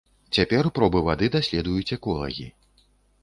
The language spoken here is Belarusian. Цяпер пробы вады даследуюць эколагі.